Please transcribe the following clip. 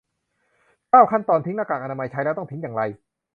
เก้า ขั้นตอนทิ้งหน้ากากอนามัย ใช้แล้วต้องทิ้งอย่างไร